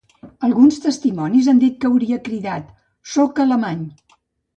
Alguns testimonis han dit que hauria cridat: Sóc alemany.